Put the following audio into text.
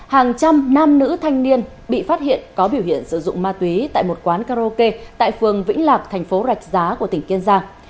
hàng trăm nam nữ thanh niên bị phát hiện có biểu hiện sử dụng ma túy tại một quán karaoke tại phường vĩnh lạc thành phố rạch giá của tỉnh kiên giang